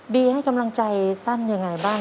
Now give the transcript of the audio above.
ให้กำลังใจสั้นยังไงบ้าง